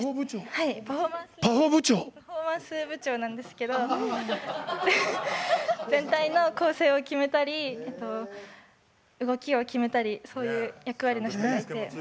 パフォーマンス部長なんですけど全体の構成を決めたり動きを決めたりそういう役割の人がいて。